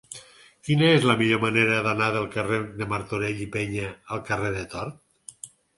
Quina és la millor manera d'anar del carrer de Martorell i Peña al carrer de Tort?